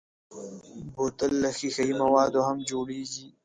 بوتل له ښیښهيي موادو هم جوړېږي.